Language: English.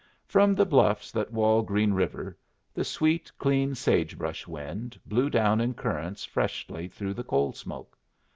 From the bluffs that wall Green River the sweet, clean sage brush wind blew down in currents freshly through the coal smoke.